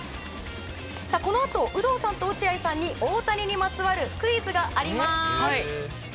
このあと、有働さんと落合さんに大谷にまつわるクイズがあります。